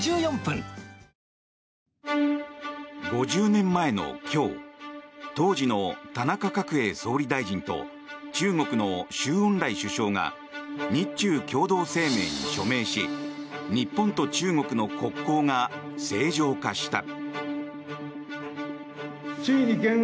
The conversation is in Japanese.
５０年前の今日当時の田中角栄総理大臣と中国の周恩来首相が日中共同声明に署名し日本と中国の国交が正常化した。